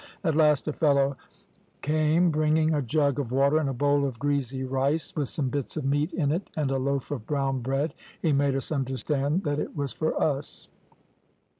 At last a fellow came bringing a jug of water and a bowl of greasy rice with some bits of meat in it, and a loaf of brown bread; he made us understand that it was for us.